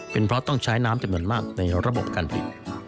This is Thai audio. เป็นเพราะต้องใช้น้ำจำนวนมากในระบบการผลิต